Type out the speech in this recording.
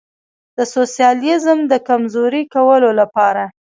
د سوسیالیزم د کمزوري کولو لپاره.